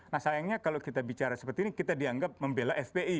nah sayangnya kalau kita bicara seperti ini kita dianggap membela fpi